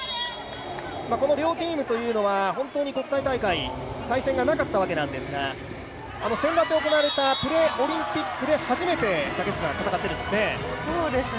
両チームというのは本当に国際大会、対戦がなかったわけなんですが、せんだって行われたプレオリンピックで初めて戦っているんですね。